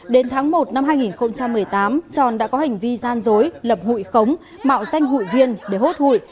đến tháng một năm hai nghìn một mươi tám tròn đã có hành vi gian dối lập hủy khống mạo danh hủy viên để hút hủy